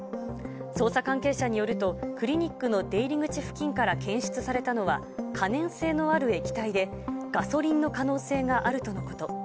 捜査関係者によると、クリニックの出入り口付近から検出されたのは、可燃性のある液体で、ガソリンの可能性があるとのこと。